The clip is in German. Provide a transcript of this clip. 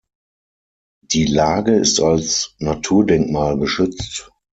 Die Lage ist als Naturdenkmal geschützt.